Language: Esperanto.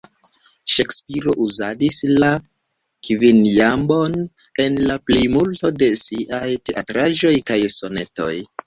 Ŝekspiro uzadis la kvinjambon en la plejmulto de siaj teatraĵoj kaj sonetoj.